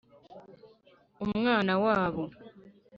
umwana wabo!